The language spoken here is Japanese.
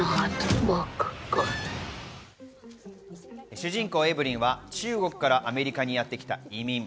主人公・エヴリンは中国からアメリカにやってきた移民。